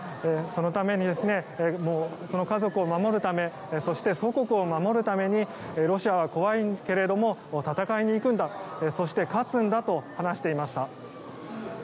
そのためにその家族を守るためそして祖国を守るためにロシアは怖いけども戦いに行くんだそして、勝つんだと話していました。